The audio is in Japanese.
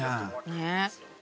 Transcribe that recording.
ねえ。